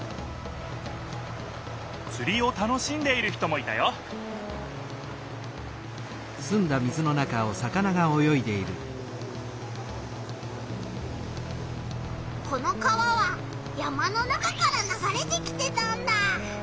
釣りを楽しんでいる人もいたよこの川は山の中からながれてきてたんだ。